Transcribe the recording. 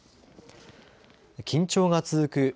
緊張が続く